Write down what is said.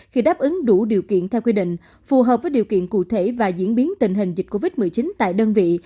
khi đáp ứng đủ điều kiện theo quy định phù hợp với điều kiện cụ thể và diễn biến tình hình dịch covid một mươi chín tại đơn vị